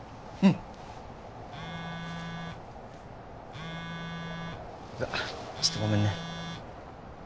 うわっちょっとごめんね。